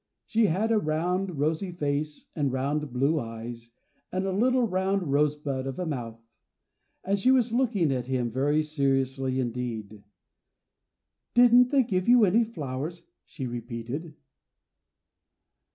She had a round, rosy face and round blue eyes, and a little round rosebud of a mouth; and she was looking at him very seriously indeed. "Didn't they give you any flowers?" she repeated.